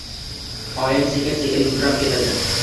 Oyim sekin-sekin mudrab ketadi.